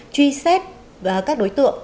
truy xét các đối tượng